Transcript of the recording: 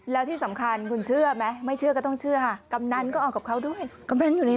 แล้วที่สำคัญหนูเชื่อไหมไม่เชือก็ต้องเชื่อค่ะ